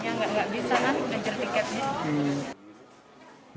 ini nggak bisa kan menjer tiketnya